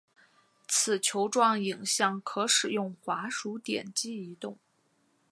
此球状影像可使用滑鼠点击移动。